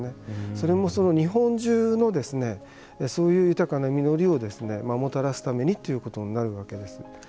それも、その日本中のそういう豊かな実りをもたらすためにということになるわけです。